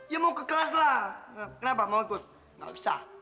ya mau ke kelas lah kenapa mau ikut nggak bisa